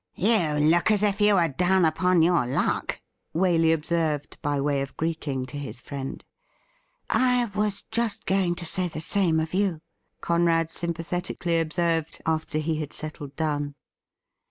' You look as if you were down upon your luck,' Waley observed by way of greeting to his friend. ' I was just going to say the same of you,' Conrad sympathetically observed, after he had settled down.